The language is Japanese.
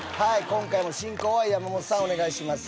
今回も進行は山本さんお願いします